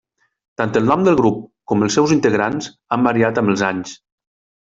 Tant el nom del grup com els seus integrants han variat amb els anys.